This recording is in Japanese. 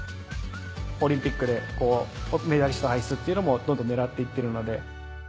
オリンピックでメダリスト輩出っていうのもどんどん狙って行ってるので。